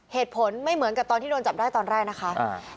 เหตุผลไม่เหมือนกับตอนที่โดนจับได้ตอนแรกนะคะ